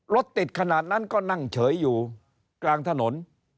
รถติดขนาดนั้นก็นั่งเฉยอยู่กลางถนน